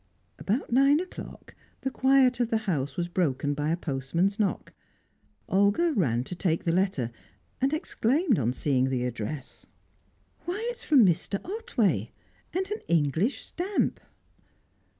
About nine o'clock, the quiet of the house was broken by a postman's knock; Olga ran to take the letter, and exclaimed on seeing the address "Why, it's from Mr. Otway, and an English stamp!"